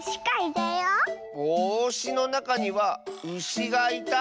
「ぼうし」のなかには「うし」がいた。